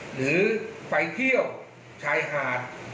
หรือไปเที่ยวชายหาด